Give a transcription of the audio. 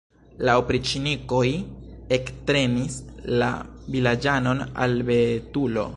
La opriĉnikoj ektrenis la vilaĝanon al betulo.